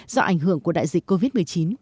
do ảnh hưởng của đại dịch covid một mươi chín